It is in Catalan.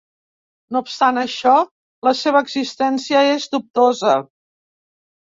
No obstant això, la seva existència és dubtosa.